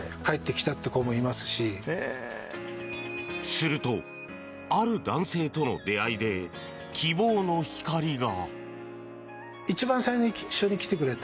すると、ある男性との出会いで希望の光が。